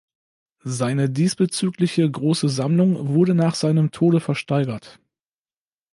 Seine diesbezügliche grosse Sammlung wurde nach seinem Tode versteigert.